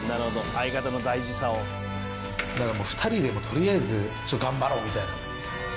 相方の大事さを」だから２人でとりあえず頑張ろうみたいな。